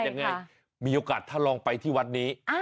ยังไงมีโอกาสถ้าลองไปที่วัดนี้